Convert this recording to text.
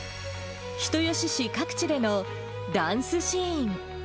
人吉市各地でのダンスシーン。